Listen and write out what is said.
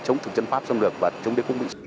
chống thực dân pháp xâm lược và chống đế quốc mỹ